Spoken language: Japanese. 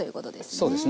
そうですね。